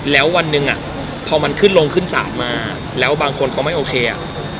แล้ววันหนึ่งอ่ะพอมันขึ้นลงขึ้นศาลมาแล้วบางคนเขาไม่โอเคอ่ะ